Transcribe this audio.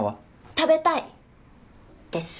食べたい！です